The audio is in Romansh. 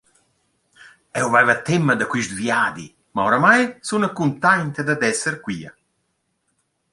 «Eu vaiva temma da quist viadi, ma oramai suna cuntainta dad esser quia.»